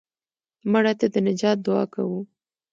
مړه ته د نجات دعا کوو